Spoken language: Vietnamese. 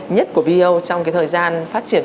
nhất của vo trong cái thời gian phát triển